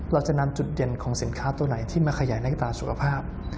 เราจะนำจุดเด่นของสินค้าตัวไหนที่มาขยายในตราสุขภาพ